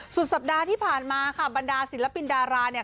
สุดสัปดาห์ที่ผ่านมาค่ะบรรดาศิลปินดาราเนี่ย